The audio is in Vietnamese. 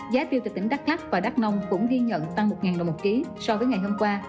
giá tiêu tại tỉnh đắk lắc và đắk nông cũng ghi nhận tăng một đồng một ký so với ngày hôm qua